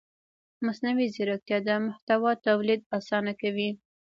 مصنوعي ځیرکتیا د محتوا تولید اسانه کوي.